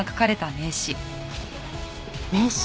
名刺？